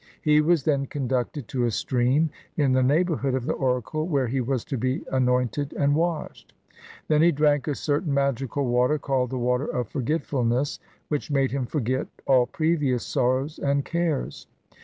He was then con ducted to a stream in the neighborhood of the oracle, where he was to be anointed and washed. Then he drank a certain magical water, called the water of forget fulness, which made him forget all previous sorrows and cares.